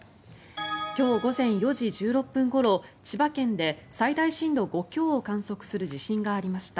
今日午前４時１６分ごろ千葉県で最大震度５強を観測する地震がありました。